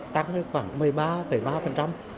tăng khoảng một mươi ba ba